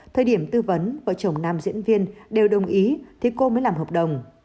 thời điểm tư vấn vợ chồng nam diễn viên đều đồng ý thì cô mới làm hợp đồng